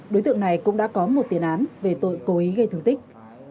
đối tượng này cũng đã có một tiền án về tội cố ý gây thương tích